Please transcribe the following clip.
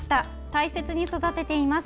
大切に育てています。